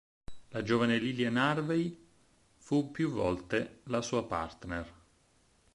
La giovane Lilian Harvey fu più volte la sua partner.